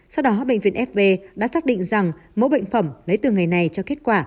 sau đó bệnh viện fv đã xác định rằng mẫu bệnh phẩm lấy từ ngày này cho kết quả